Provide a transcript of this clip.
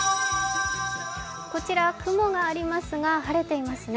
こちら雲がありますが晴れていますね。